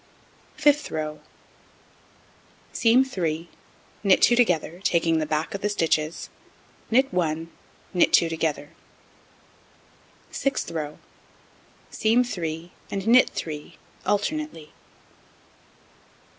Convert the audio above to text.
Fifth row: Seam 3, knit 2 together, taking the back of the stitches, knit 1, knit 2 together. Sixth row: Seam 3, and knit 3, alternately.